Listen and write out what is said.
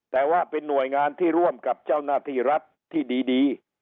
แต่ว่าเป็นหน่วยงานที่ร่วมกับเจ้าหน้าที่รัฐที่ดี